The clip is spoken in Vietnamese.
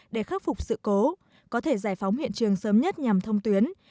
để khắc phục sự cố có thể giải phóng hiện trường sớm nhất nhằm thông tuyến